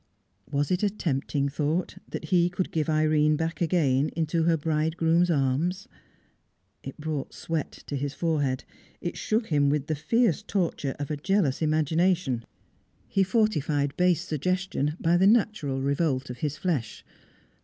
Was it a tempting thought, that he could give Irene back again into her bridegroom's arms. It brought sweat to his forehead; it shook him with the fierce torture of a jealous imagination. He fortified base suggestion by the natural revolt of his flesh.